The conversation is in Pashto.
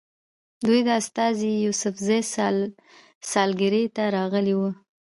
دوی د استاد یوسفزي سالګرې ته راغلي وو.